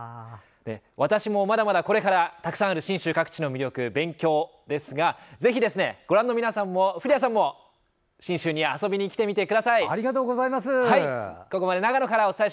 私も、まだまだこれからたくさんある信州各地の魅力勉強なんですがぜひご覧の皆さんも、古谷さんも信州に遊びにきてみてください！